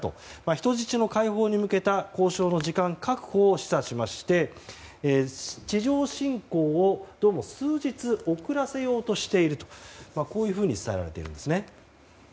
人質の解放に向けた交渉の時間確保を示唆しまして、地上侵攻をどうも数日遅らせようとしていると伝えられているんですね。